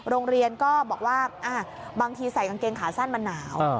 โรงเรียนก็บอกว่าบางทีใส่กางเกงขาสั้นมันหนาว